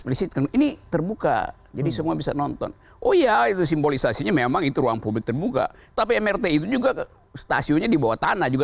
itu simbolisasi memang itu ruang publik terbuka tapi mrt itu juga stasiunnya di bawah tanah juga